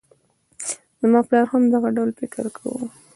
زما پلار هم دغه ډول فکر کاوه.